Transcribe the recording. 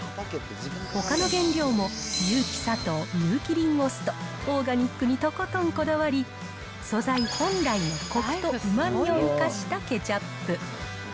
ほかの原料も、有機砂糖、有機りんご酢と、オーガニックにとことんこだわり、素材本来のこくとうまみを生かしたケチャップ。